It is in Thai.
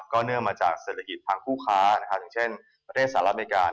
เนื่องมาจากเศรษฐกิจทางผู้ค้าอย่างเช่นประเทศสหรัฐอเมริกา